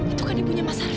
itu kan ibunya mas arvino